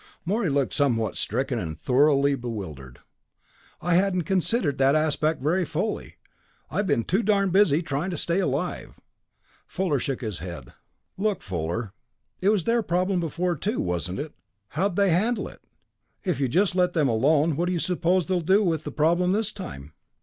Morey looked somewhat stricken, and thoroughly bewildered. "I hadn't considered that aspect very fully; I've been too darned busy trying to stay alive." Wade shook his head. "Look, Fuller it was their problem before, too, wasn't it? How'd they handle it? If you just let them alone, what do you suppose they'll do with the problem this time?"